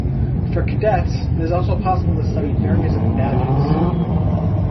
For cadets, it is also possible to study for various 'badges'.